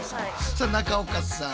さあ中岡さん